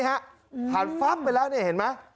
หันฟับไปแล้วเห็นไหม